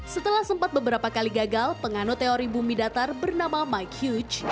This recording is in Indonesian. setelah sempat beberapa kali gagal penganut teori bumi datar bernama mike huge